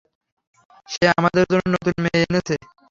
সে আমাদের জন্য নতুন মেয়ে এনেছে।